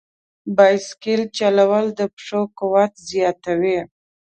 بایسکل چلول د پښو قوت زیاتوي.